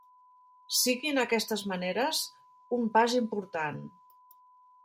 Sigui en aquestes maneres un pas important.